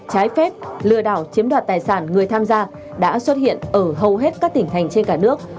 trái phép lừa đảo chiếm đoạt tài sản người tham gia đã xuất hiện ở hầu hết các tỉnh thành trên cả nước